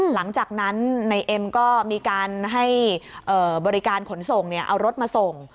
หลังจากนั้นนายเอ็มก็มีการให้บริการขนส่งเอารถมาส่ง